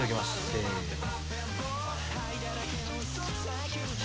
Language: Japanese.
せの。